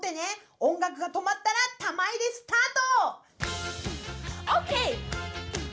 音楽が止まったら玉入れスタート！